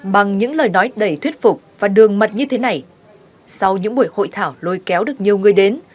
bằng những lời nói đầy thuyết phục và đường mật như thế này sau những buổi hội thảo lôi kéo được nhiều người đến